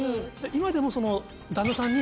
今でも旦那さんに。